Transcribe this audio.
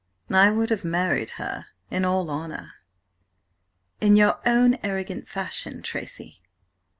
"I would have married her in all honour—" "In your own arrogant fashion, Tracy."